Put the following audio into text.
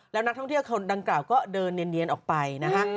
แล้วนักท่องเที่ยวคนดังกล่าวก็เดินเนียนออกไปนะฮะ